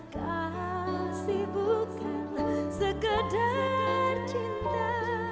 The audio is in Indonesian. kasih bukan sekedar cinta